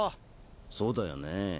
そうだよね。